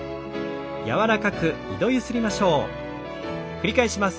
繰り返します。